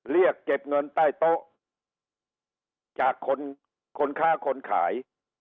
เรียกเก็บเงินใต้โต๊ะจากคนคนค้าคนขาย